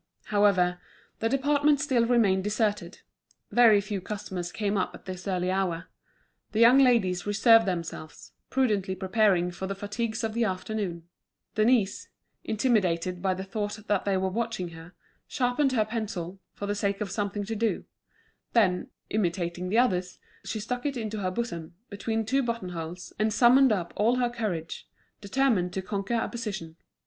However, the department still remained deserted; very few customers came up at this early hour. The young ladies reserved themselves, prudently preparing for the fatigues of the afternoon. Denise, intimidated by the thought that they were watching her, sharpened her pencil, for the sake of something to do; then, imitating the others, she stuck it into her bosom, between two buttonholes, and summoned up all her courage, determined to conquer a position.